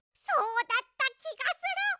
そうだったきがする！